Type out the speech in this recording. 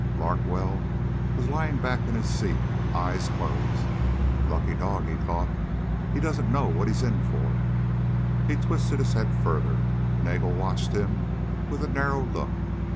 Larkwell was lying back in his seat, eyes closed. Lucky dog, he thought. He doesn't know what he's in for. He twisted his head further. Nagel watched him with a narrow look.